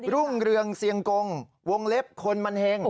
รุ่งเรืองเซียงกงวงเล็บคนมันเห็ง